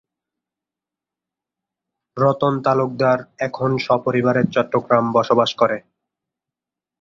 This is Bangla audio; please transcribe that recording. রতন তালুকদার এখন স্বপরিবারে চট্টগ্রামে বসবাস করেন।